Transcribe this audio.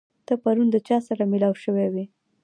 ته پرون د چا سره مېلاو شوی وې؟